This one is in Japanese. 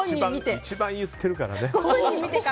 いや、一番言ってるからね。